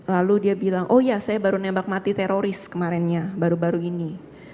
lalu dia bilang oh ya saya baru nembak mati teroris kemarinnya baru baru ini